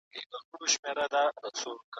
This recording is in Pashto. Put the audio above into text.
ژمی ډېر يخ او له واورو ډک وي.